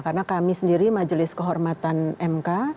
karena kami sendiri majelis kehormatan mk